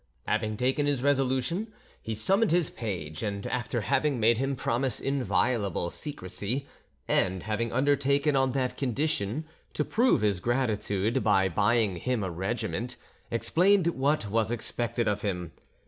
Having taken his resolution, he summoned his page, and, after having made him promise inviolable secrecy, and having undertaken, on that condition, to prove his gratitude by buying him a regiment, explained what was expected of him.